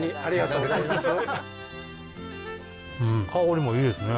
うん香りもいいですね。